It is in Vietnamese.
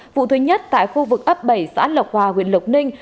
vụ thứ nhất tại khu vực ấp bảy xã lộc hòa huyện lộc ninh